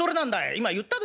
今言ったでしょ？